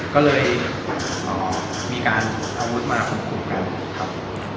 ก็เลยมีการเอาอาวุธมาควบคุมกันครับ